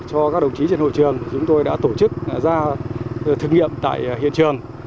cho các đồng chí trên hội trường chúng tôi đã tổ chức ra thực nghiệm tại hiện trường